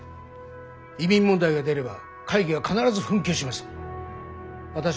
移民問題が出れば会議は必ず紛糾します。